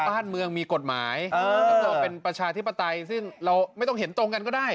บ้านเมืองมีกฎหมายแล้วก็เป็นประชาธิปไตยซึ่งเราไม่ต้องเห็นตรงกันก็ได้